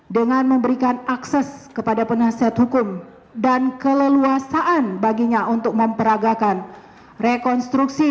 dengan memberikan akses kepada penasihat hukum dan keleluasaan baginya untuk memperagakan rekonstruksi